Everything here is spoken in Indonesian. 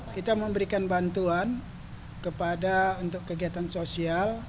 kita memberikan bantuan kepada untuk kegiatan sosial